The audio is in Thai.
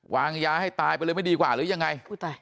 วางยาให้ตายไปเลยไม่ดีกว่าหรือยังไง